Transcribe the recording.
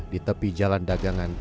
di tepi jalan dagangan